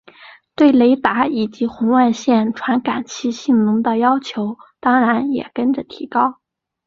对雷达以及红外线传感器性能的要求当然也跟着提高。